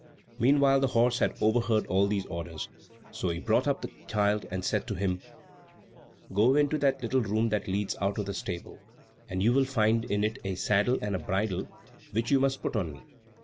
Meanwhile the horse had overheard all these orders. So he brought up the child and said to him, "Go into that little room that leads out of the stable, and you will find in it a saddle and bridle which you must put on me.